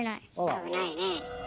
危ないね。